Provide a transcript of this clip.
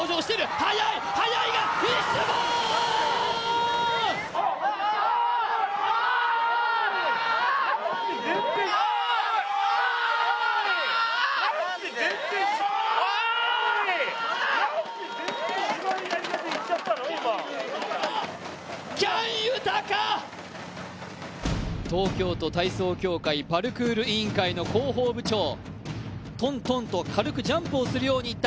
はやい、はやいが、フィッシュボーン！喜矢武豊東京都体操委員会パルクール委員会の広報部長、トントンと軽くジャンプをするように行った。